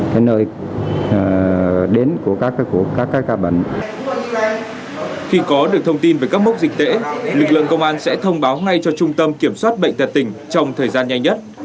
khi có được thông tin về các mốc dịch tễ lực lượng công an sẽ thông báo ngay cho trung tâm kiểm soát bệnh tật tỉnh trong thời gian nhanh nhất